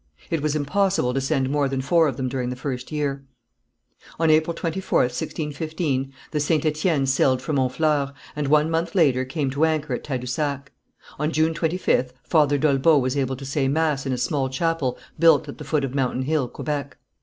It was impossible to send more than four of them during the first year. On April 24th, 1615, the St. Étienne sailed from Honfleur, and one month later came to anchor at Tadousac. On June 25th, Father d'Olbeau was able to say mass in a small chapel built at the foot of Mountain Hill, Quebec.